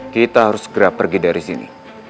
kita harus segera pergi dari sini